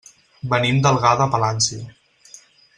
Venim d'Algar de Palància.